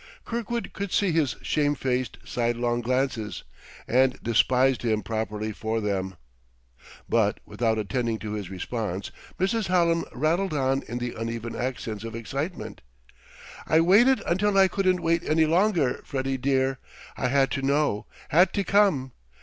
Kirkwood could see his shamefaced, sidelong glances; and despised him properly for them. But without attending to his response, Mrs. Hallam rattled on in the uneven accents of excitement. "I waited until I couldn't wait any longer, Freddie dear. I had to know had to come.